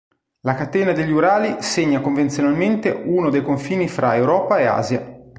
La catena degli Urali segna convenzionalmente uno dei confini fra Europa e Asia.